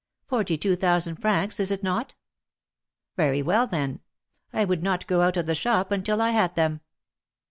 Forty two thousand francs, is it not? Very well, then ; I would not go out of the shop until I had them."